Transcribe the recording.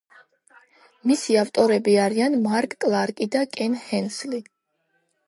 მისი ავტორები არიან მარკ კლარკი და კენ ჰენსლი.